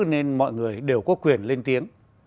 nên mọi người đều có quyền lên tiếng